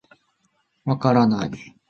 分からない。